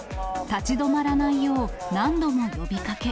立ち止まらないよう、何度も呼びかけ。